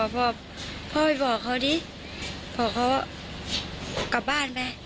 บอกพ่อไปบอกเขาดิบอกเขากลับบ้านไป